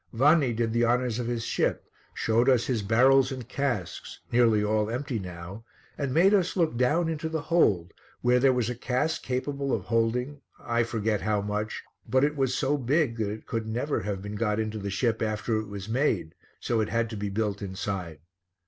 Vanni did the honours of his ship, showed us his barrels and casks, nearly all empty now, and made us look down into the hold where there was a cask capable of holding, I forget how much, but it was so big that it could never have been got into the ship after it was made, so it had to be built inside.